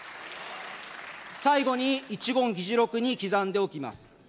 最後に、一言、議事録に刻んでおきます。